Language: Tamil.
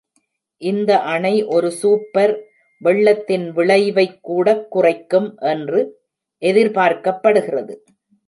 இந்த அணை ஒரு "சூப்பர்" வெள்ளத்தின் விளைவை கூடக் குறைக்கும் என்று எதிர்பார்க்கப்படுகிறது.